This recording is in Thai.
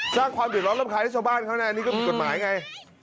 สร้างความสิบพันเทียดรับขายช้าบ้านเขานะนี่คือกฝีกฏหมายไง